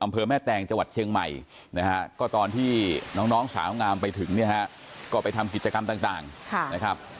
ไปทำกิจกรรมต่างนะครับ